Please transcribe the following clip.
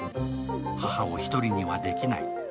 母を１人にはできない。